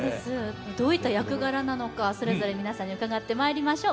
どういった役柄なのかそれぞれ、皆さんに伺っていきましょう。